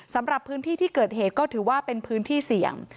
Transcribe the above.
สำหรับพื้นที่ที่เกิดเหตุก็ถือว่าเป็นพื้นที่เสี่ยง